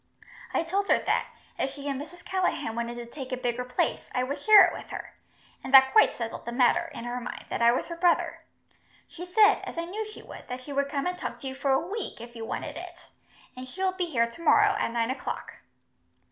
I told her that, if she and Mrs. Callaghan wanted to take a bigger place, I would share it with her, and that quite settled the matter, in her mind, that I was her brother. She said, as I knew she would, that she would come and talk to you for a week, if you wanted it; and she will be here tomorrow, at nine o'clock."